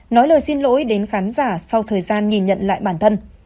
nói lời xin lỗi đến khán giả sau thời gian nhìn nhận lại bản thân